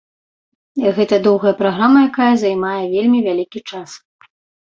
Гэта доўгая праграма, якая займае вельмі вялікі час.